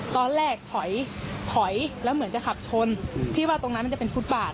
ตอนแรกถอยถอยแล้วเหมือนจะขับชนที่ว่าตรงนั้นมันจะเป็นฟุตบาท